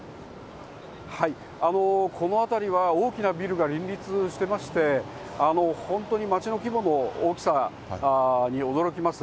この辺りは大きなビルが林立しておりまして、本当に街の規模も、大きさに驚きます。